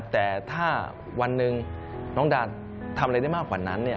แต่ถ้าวันหนึ่งน้องดานทำอะไรได้มากกว่านั้น